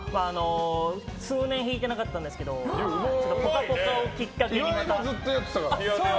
数年弾いてなかったんですけど「ぽかぽか」をきっかけに、また。